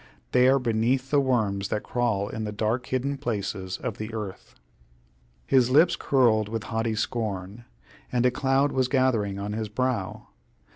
They are beneath the worms that crawl in the dark hidden places of earth." His lips curled with haughty scorn, and a cloud was gathering on his brow.